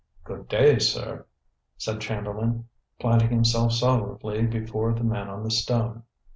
"Good day, sir," said Chamberlain, planting himself solidly before the man on the stone.